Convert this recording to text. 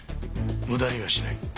無駄にはしない。